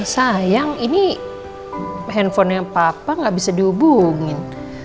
sayang ini handphonenya papa nggak bisa dihubungin